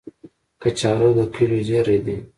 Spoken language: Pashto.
کچالو د کلیو زېری دی